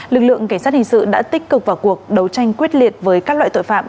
lực lượng cảnh sát hình sự đã tích cực vào cuộc đấu tranh quyết liệt với các loại tội phạm